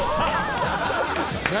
「何？